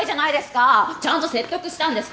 ちゃんと説得したんですか？